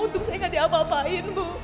untung saya gak diapapain bu